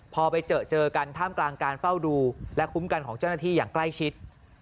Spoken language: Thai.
พอไปเจอเจอกันท่ามกลางการเฝ้าดูและคุ้มกันของเจ้าหน้าที่อย่างใกล้ชิด